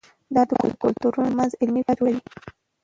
دا د کلتورونو ترمنځ علمي فضا جوړوي.